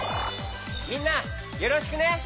みんなよろしくね。